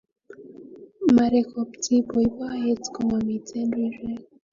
Marekotpi boiboiyet komamiten rirek